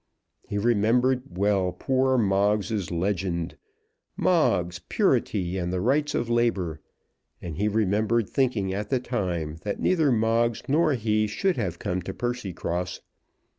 He remembered well poor Moggs's legend, "Moggs, Purity, and the Rights of Labour;" and he remembered thinking at the time that neither Moggs nor he should have come to Percycross.